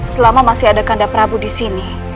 selama masih ada kanda prabu disini